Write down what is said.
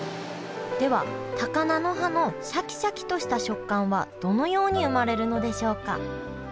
では高菜の葉のシャキシャキとした食感はどのように生まれるのでしょうか。